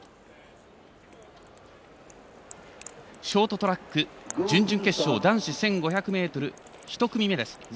ショートトラック準々決勝男子１５００ｍ１組目です。